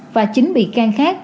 và chính bị can khác